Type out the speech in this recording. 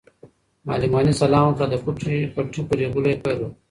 معلم غني سلام وکړ او د پټي په رېبلو یې پیل وکړ.